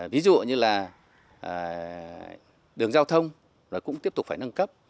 ví dụ như là đường giao thông cũng tiếp tục phải nâng cấp